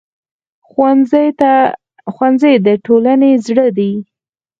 ښوونځی د ټولنې زړه دی